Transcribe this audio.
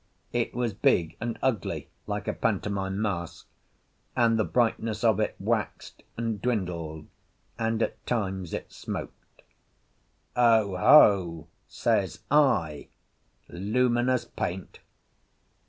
It was big and ugly, like a pantomime mask, and the brightness of it waxed and dwindled, and at times it smoked. "Oho!" says I, "luminous paint!"